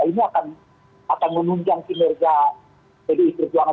ini akan menunjang kinerja pdi perjuangan